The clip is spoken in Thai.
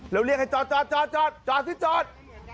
แล้วเรียกให้จอดจอดจอดสิจอด